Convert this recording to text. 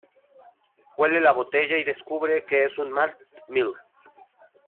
Huele la botella y descubre que es un Malt Mill.